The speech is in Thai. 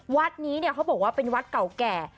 วัดนี้เนี่ยเขาบอกว่าเป็นวัดเก่าแก่